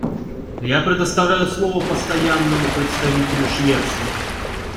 Я предоставляю слово Постоянному представителю Швеции.